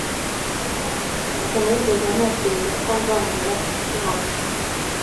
Sinigeze ntekereza ko nzongera kukubona